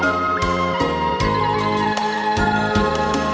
หลักไทย